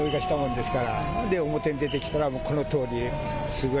表に出て来たらこのとおり、すごい。